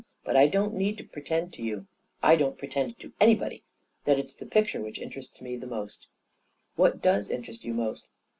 But I don't need to pretend to you — I don't pretend to anybody — that it's the picture which interests me most." " What does interest you most